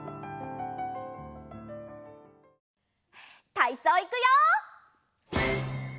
たいそういくよ！